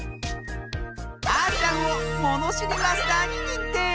あーちゃんをものしりマスターににんてい！